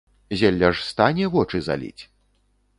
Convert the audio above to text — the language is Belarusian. Зелля ж стане вочы заліць?